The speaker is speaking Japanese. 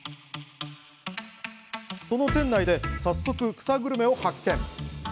その店内で早速草グルメを発見。